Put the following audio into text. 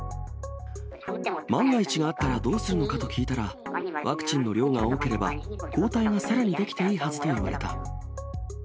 万が一があったらどうするのかと聞いたら、ワクチンの量が多ければ、抗体がさらに出来ていいはずと言われた。